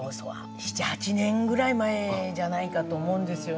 ７８年ぐらい前じゃないかと思うんですよね。